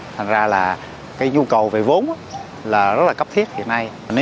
thành ra là nhu cầu về vốn rất là cấp thiết hiện nay